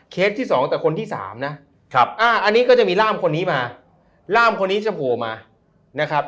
เคสที่๒แต่คนที่๓นะอันนี้ก็จะมีร่ามคนนี้มาร่ามคนนี้จะโผล่มา